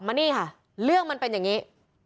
มานี่ค่ะเรื่องมันเป็นอย่างนี้